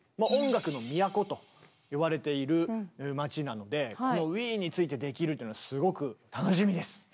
「音楽の都」といわれている街なのでこのウィーンについてできるというのはすごく楽しみです！